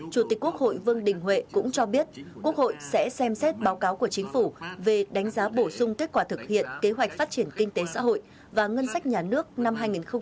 chủ tịch quốc hội vương đình huệ cũng cho biết quốc hội sẽ xem xét báo cáo của chính phủ về đánh giá bổ sung kết quả thực hiện kế hoạch phát triển kinh tế xã hội và ngân sách nhà nước năm hai nghìn một mươi chín